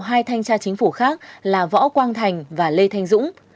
hai thanh tra chính phủ khác là võ quang thành và lê thanh dũng